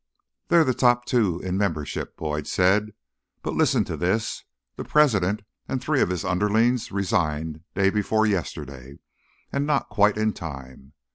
"They're the top two in membership," Boyd said. "But listen to this: the president and three of his underlings resigned day before yesterday, and not quite in time.